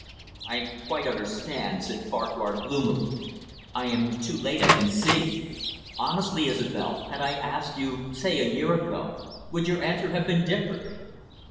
"I quite understand," said Farquhar gloomily. "I am too late, I can see. Honestly, Isobel, had I asked you, say, a year ago, would your answer have been different?"